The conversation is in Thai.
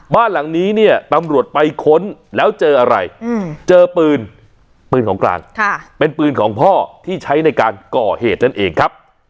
บ้านหลังนี้เนี่ยตำรวจไปค้นแล้วเจออะไรเจอปืนปืนของกลางเป็นปืนของพ่อที่ใช้ในการก่อเหตุนั่นเองครับ